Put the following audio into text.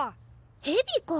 ヘビか。